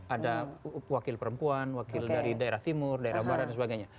ada wakil perempuan wakil dari daerah timur daerah barat dan sebagainya